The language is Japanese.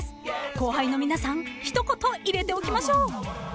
［後輩の皆さん一言入れておきましょう］